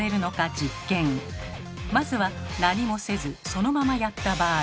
まずは何もせずそのままやった場合。